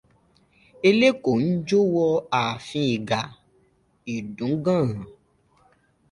Elékòó ń jó wọ ààfin Ìgà Ìdúgànràn.